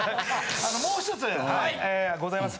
もうひとつございます。